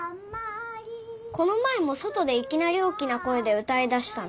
この前も外でいきなり大きな声で歌いだしたの。